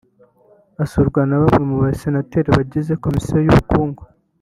Asurwa na bamwe mu basenateri bagize komisiyo y’ubukungu